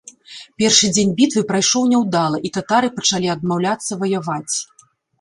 Першы дзень бітвы прайшоў няўдала і татары пачалі адмаўляцца ваяваць.